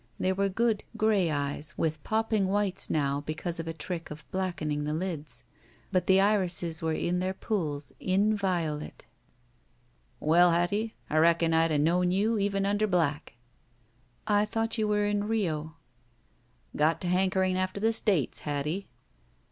They were good gray eyes with popping widtes now, because of a trick of blackening the lids. But the irises were in their pools, inviolate. Well, Hattie, I reckon I'd have known you even under black." i IS3 THE SMUDGE "I thought you were in Rio.'' "Got to hankering after the States, Hattie."